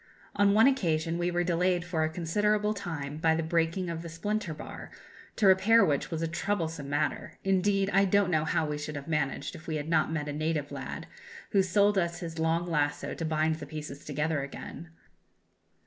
On one occasion we were delayed for a considerable time by the breaking of the splinter bar, to repair which was a troublesome matter; indeed, I don't know how we should have managed if we had not met a native lad, who sold us his long lasso to bind the pieces together again.